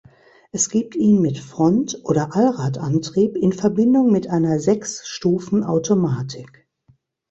Es gibt ihn mit Front- oder Allradantrieb in Verbindung mit einer Sechsstufen-Automatik.